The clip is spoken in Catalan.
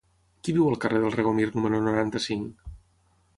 Qui viu al carrer del Regomir número noranta-cinc?